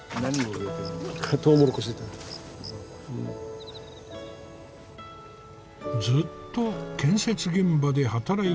ずっと建設現場で働いてきた松村。